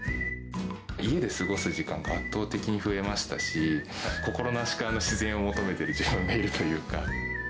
家で過ごす時間が圧倒的に増えましたし、心なしか自然を求めてる自分がいるというか。